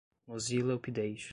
mozilla update